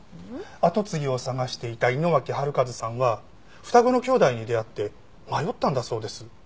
跡継ぎを探していた井野脇治和さんは双子の兄弟に出会って迷ったんだそうです。